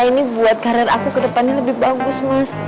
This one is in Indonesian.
ini buat karir aku ke depannya lebih bagus mas